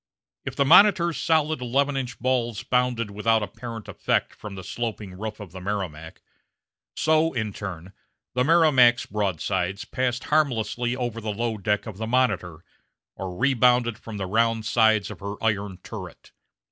If the Monitor's solid eleven inch balls bounded without apparent effect from the sloping roof of the Merrimac, so, in turn, the Merrimac's broadsides passed harmlessly over the low deck of the Monitor, or rebounded from the round sides of her iron turret.